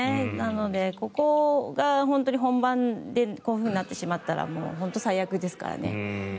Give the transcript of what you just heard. なのでここが本当に本番でこうなってしまったら最悪ですからね。